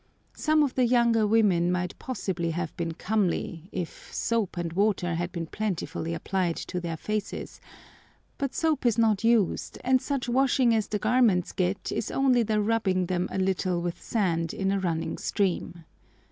Some of the younger women might possibly have been comely, if soap and water had been plentifully applied to their faces; but soap is not used, and such washing as the garments get is only the rubbing them a little with sand in a running stream.